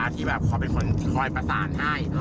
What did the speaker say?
ที่แบบเขาเป็นคนคอยประสานให้